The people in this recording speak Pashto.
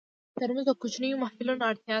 ترموز د کوچنیو محفلونو اړتیا ده.